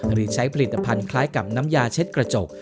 หรือใช้ผลิตภัณฑ์คล้ายกับน้ำยาเช็ดกระจก